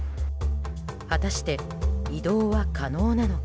果たして、移動は可能なのか。